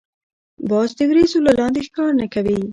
باز د وریځو له لاندی ښکار نه کوي